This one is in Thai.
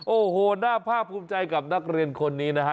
โอ้โหน่าภาพภูมิใจกับนักเรียนคนนี้นะฮะ